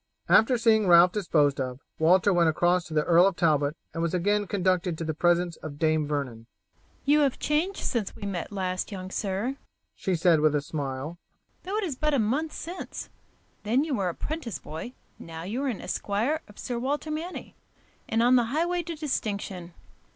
After seeing Ralph disposed of, Walter went across to the Earl of Talbot and was again conducted to the presence of Dame Vernon. "You have changed since we met last, young sir," she said with a smile, "though it is but a month since. Then you were a 'prentice boy, now you are an esquire of Sir Walter Manny, and on the highway to distinction.